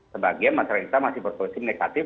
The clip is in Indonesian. sebagian masyarakat masih berposisim negatif